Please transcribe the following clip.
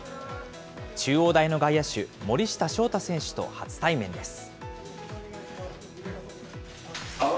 中央大の外野手、森下翔太選手と初対面です。